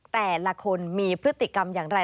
แต่ละคนมีพฤติกรรมอย่างไร